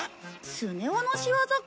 スネ夫の仕業か。